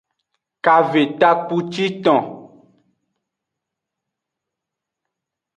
Kave takpuciton.